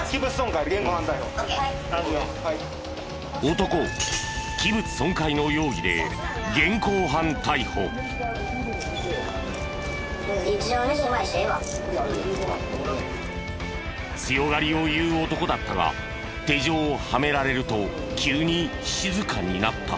男を強がりを言う男だったが手錠をはめられると急に静かになった。